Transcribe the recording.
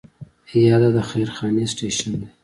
یا دا د خير خانې سټیشن دی.